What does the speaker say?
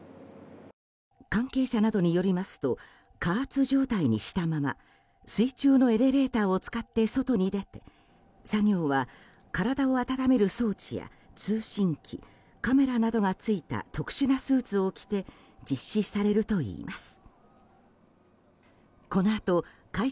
関係者などによりますと加圧状態にしたまま水中のエレベーターを使って外に出て作業は体を温める装置や通信機カメラなどが付いた特殊なスーツを着て実施されるといいます。